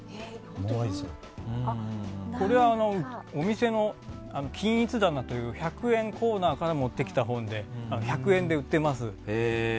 これはお店の均一棚という１００円コーナーから持ってきた本で１００円で売ってます。